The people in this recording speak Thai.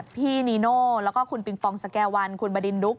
พี่นีโน่แล้วก็คุณปิงปองสแก่วันคุณบดินดุ๊ก